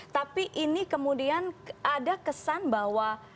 tapi ini kemudian ada kesan bahwa